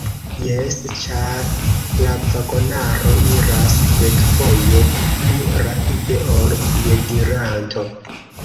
Jes, ĉar la vagonaro iras dekfoje pli rapide ol piediranto.